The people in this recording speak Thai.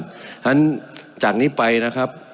เพราะฉะนั้นจากนี้ไปนะครับ